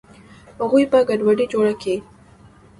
اغوئ به ګډوډي جوړه کي.